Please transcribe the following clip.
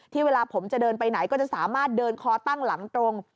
เวลาผมจะเดินไปไหนก็จะสามารถเดินคอตั้งหลังตรง